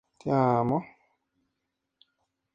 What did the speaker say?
Ayudó a Mary Neal a gestionar el club de niñas en la misión.